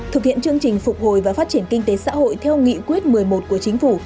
thực hiện chương trình phục hồi và phát triển kinh tế xã hội theo nghị quyết một mươi một của chính phủ